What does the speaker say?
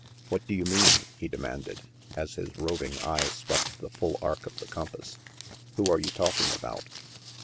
"What do you mean?" he demanded, as his roving eye swept the full arc of the compass. " Who are you talking about?"